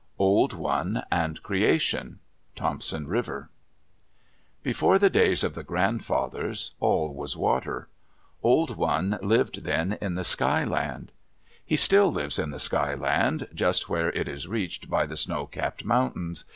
OLD ONE AND CREATION Thompson River Before the days of the grandfathers, all was water. Old One lived then in the Sky Land. He still lives in the Sky Land, just where it is reached by the snow capped mountains.